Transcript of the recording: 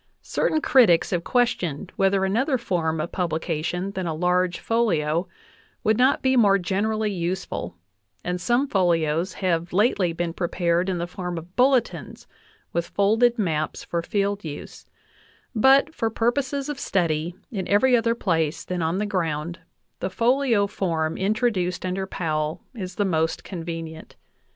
Certain critics have questioned whether another form of publication than a large folio would not be more generally useful, and some folios have lately been prepared in the form of bulletins with folded maps for field use; but for purposes of study in every other place than on the ground the folio form introduced under Powell is the most convenient.